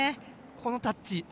このタッチ。